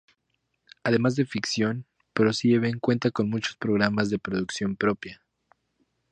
Además de ficción, ProSieben cuenta con muchos programas de producción propia.